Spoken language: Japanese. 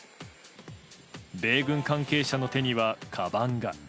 米軍関係者の手には、かばんが。